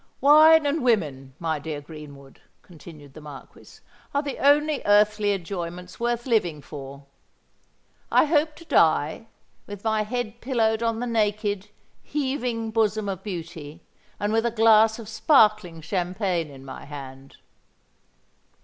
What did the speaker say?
"Wine and women, my dear Greenwood," continued the Marquis, "are the only earthly enjoyments worth living for. I hope to die, with my head pillowed on the naked—heaving bosom of beauty, and with a glass of sparkling champagne in my hand."